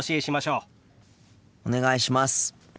お願いします。